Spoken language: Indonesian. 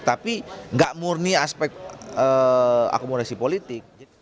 tapi gak murni aspek akomodasi politik